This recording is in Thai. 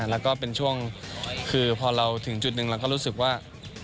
แล้วพอเราถึงจุดหนึ่งเราก็รู้สึกว่า